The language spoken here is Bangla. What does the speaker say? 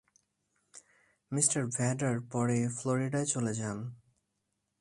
মিস্টার ভ্যাডার পরে ফ্লোরিডায় চলে যান।